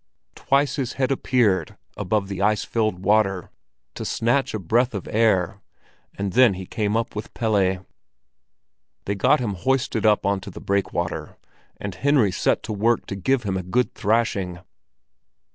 Twice his head appeared above the ice filled water, to snatch a breath of air, and then he came up with Pelle. They got him hoisted up on to the breakwater, and Henry set to work to give him a good thrashing.